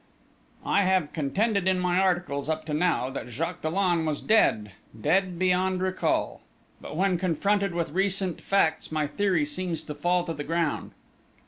"I have contended in my articles up to now that Jacques Dollon was dead, dead beyond recall; but when confronted with recent facts my theory seems to fall to the ground."